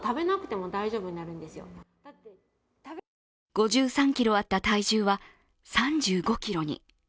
５３ｋｇあった体重は３５ｋｇに。